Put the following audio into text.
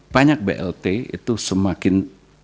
banyak blt itu semakin